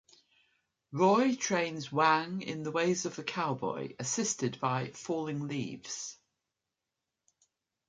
Roy trains Wang in the ways of the cowboy assisted by Falling Leaves.